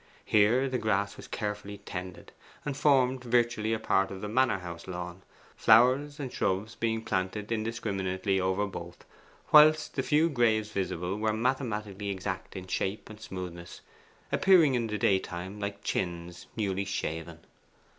Here the grass was carefully tended, and formed virtually a part of the manor house lawn; flowers and shrubs being planted indiscriminately over both, whilst the few graves visible were mathematically exact in shape and smoothness, appearing in the daytime like chins newly shaven.